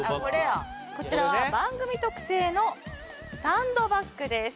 こちらは番組特製の散怒バッグです。